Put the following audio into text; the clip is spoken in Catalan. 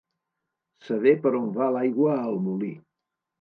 Saber per on va l'aigua al molí.